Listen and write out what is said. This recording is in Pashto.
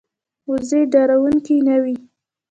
وزې ډارېدونکې نه وي